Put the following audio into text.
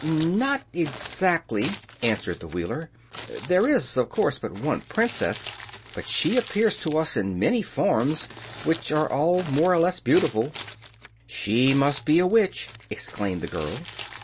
"Not exactly," answered the Wheeler. "There is, of course, but one princess; but she appears to us in many forms, which are all more or less beautiful." "She must be a witch," exclaimed the girl.